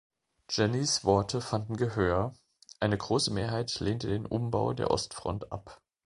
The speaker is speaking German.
Jennys Worte fanden Gehör, eine grosse Mehrheit lehnte den Umbau der Ostfront ab.